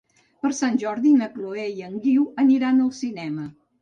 Per Sant Jordi na Chloé i en Guiu aniran al cinema.